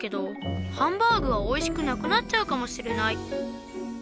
ハンバーグはおいしくなくなっちゃうかもしれない。